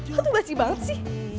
lo tuh basi banget sih